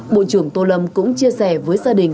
bộ trưởng tô lâm cũng chia sẻ với gia đình